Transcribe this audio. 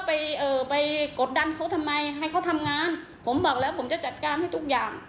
เอ่อไปกดดันเขาทำไมให้เขาทำงานผมบอกแล้วผมจะจัดการให้ทุกอย่าง